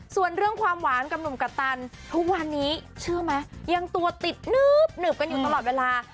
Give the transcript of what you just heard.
ส่วนเรื่องความหวานกับหนุ่มกัปตันทุกวันนี้เชื่อไหมยังตัวติดนึบหนึบกันอยู่ตลอดเวลา